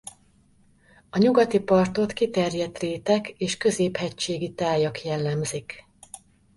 A nyugati partot kiterjedt rétek és középhegységi tájak jellemzik.